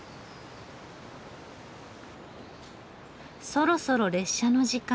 そろそろ列車の時間。